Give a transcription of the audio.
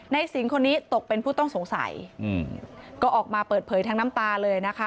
สิงห์คนนี้ตกเป็นผู้ต้องสงสัยอืมก็ออกมาเปิดเผยทั้งน้ำตาเลยนะคะ